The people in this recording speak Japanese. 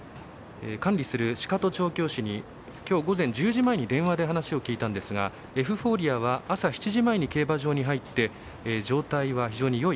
管理する鹿戸調教師にきょう午前１０時前に電話で話を聞いたんですがエフフォーリアは朝７時前に競馬場に入って状態は非常によい。